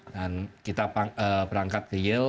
dan kita berangkat ke yale